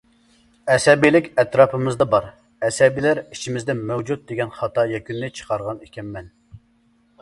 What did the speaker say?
ئەسەبىيلىك ئەتراپىمىزدا بار، ئەسەبىيلەر ئىچىمىزدە مەۋجۇت دېگەن خاتا يەكۈننى چىقارغان ئىكەنمەن.